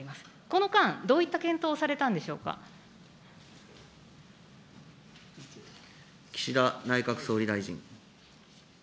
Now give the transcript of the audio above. この間、どういった検討をされた岸田内閣総理大臣。